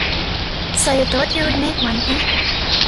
So you thought you'd make one, eh?